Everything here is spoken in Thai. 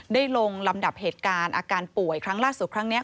ลงลำดับเหตุการณ์อาการป่วยครั้งล่าสุดครั้งนี้